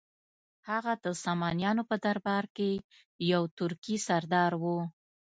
هغه د سامانیانو په درباره کې یو ترکي سردار و.